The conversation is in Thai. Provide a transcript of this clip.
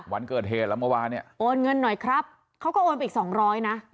วันเกิดเหตุแล้วเมื่อวานเนี่ยโอนเงินหน่อยครับเขาก็โอนไปอีกสองร้อยนะ